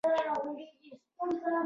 ځینې محصلین د خپلې خوښې څانګه غوره کوي.